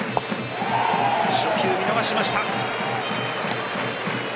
初球、見逃しました。